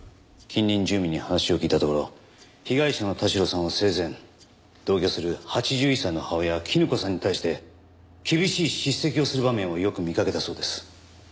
近隣住民に話を聞いたところ被害者の田代さんは生前同居する８１歳の母親絹子さんに対して厳しい叱責をする場面をよく見かけたそうです。